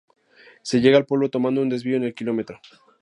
Se llega al pueblo tomando un desvío en el km.